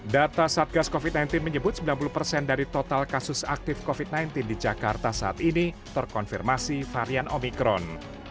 data satgas covid sembilan belas menyebut sembilan puluh persen dari total kasus aktif covid sembilan belas di jakarta saat ini terkonfirmasi varian omikron